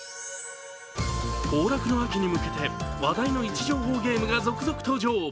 行楽の秋に向けて話題の位置情報ゲームが登場。